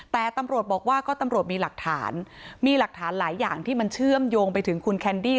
แต่ตำรวจบอกว่าก็ตำรวจมีหลักฐานมีหลักฐานหลายอย่างที่มันเชื่อมโยงไปถึงคุณแคนดี้